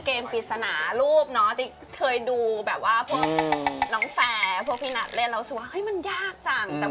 ใช่ค่ะสิขอช่วยชมจริง